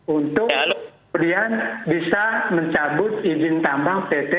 untuk kemudian bisa mencabut izin tambang pt